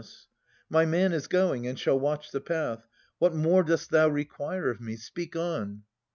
My man is going, and shall watch the path. What more dost thou require of me ? Speak on.